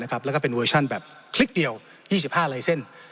แล้วก็เป็นเวอร์ชั่นแบบคลิกเดียว๒๕ลายเซ็นต์